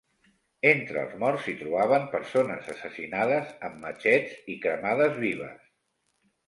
Entre els morts s'hi trobaven persones assassinades amb matxets i cremades vives.